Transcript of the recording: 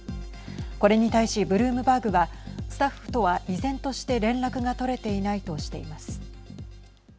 これに対し、ブルームバーグはスタッフとは依然として連絡が取れていないとしています。